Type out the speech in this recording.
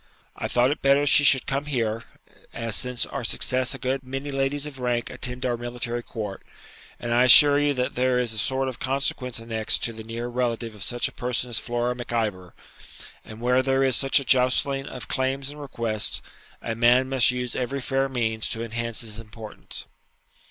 I thought it better she should come here, as since our success a good many ladies of rank attend our military court; and I assure you that there is a sort of consequence annexed to the near relative of such a person as Flora Mac Ivor, and where there is such a justling of claims and requests, a man must use every fair means to enhance his importance.'